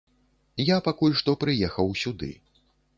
Я пакуль што прыехаў сюды.